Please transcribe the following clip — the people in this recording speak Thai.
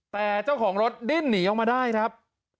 แต่เจ้าของรถดิ้นหนีออกมาได้ครับ